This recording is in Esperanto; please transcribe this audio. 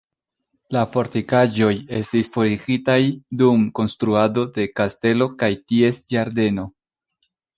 La fortikaĵoj estis forigitaj dum konstruado de kastelo kaj ties ĝardeno.